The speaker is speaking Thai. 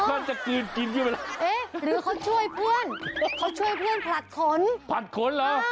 โอ้โห